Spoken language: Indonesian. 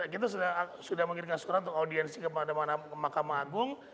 kita sudah mengirimkan surat untuk audiensi ke mana mana ke mahkamah agung